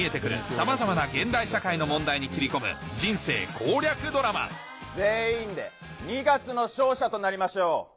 さまざまな現代社会の問題に切り込む人生攻略ドラマ全員で二月の勝者となりましょう。